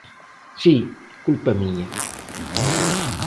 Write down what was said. Si, culpa miña.